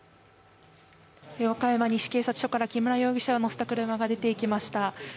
和歌山西警察署から木村容疑者を乗せた車が出てきました。